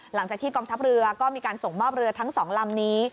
หลังจากที่กองทัพเรือก็มีการส่งมอบเรือทั้ง๒ลำนี้